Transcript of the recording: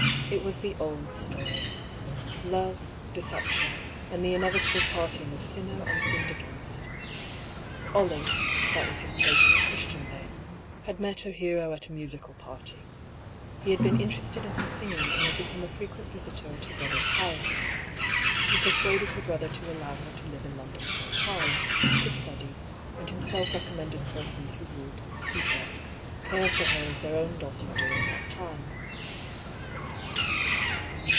It was the old story — love, deception, and the inevitable parting of sinner and sinned against. Olive (that was his patient's Christian name) had met her hero at a musical party. He had been interested in her singing, and had become a fre quent visitor at her brother's house. He persuaded her brother to allow her to live in London for a time, to study, and himself recommended persons who would, he said, care for her as their own daughter during that time.